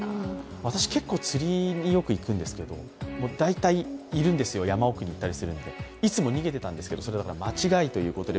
私結構釣りによく行くんですけど、大体いるんですよ、山奥に行ったりするといつも逃げていたんですけどそれは間違いということで。